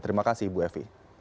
terima kasih ibu evie